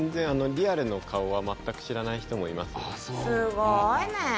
すごいね！